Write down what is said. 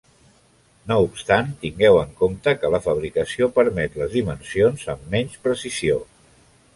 No obstant, tingueu en compte que la fabricació permet les dimensions amb menys precisió.